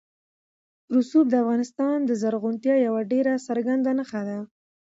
رسوب د افغانستان د زرغونتیا یوه ډېره څرګنده نښه ده.